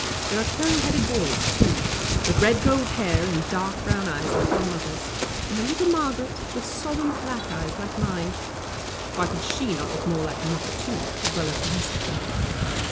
There are curly headed boys, too, with red gold hair and dark brown eyes like their mother's, and a little Margaret, with solemn black eyes like mine. Why could she not look like her mother, too, as well as the rest of them?